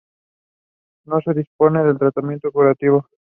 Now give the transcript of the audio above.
No se dispone de tratamiento curativo.